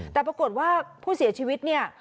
แต่ปรากฏว่าผู้เสียชีวิตเนี่ย